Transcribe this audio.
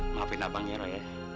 maafin abang ya roh ya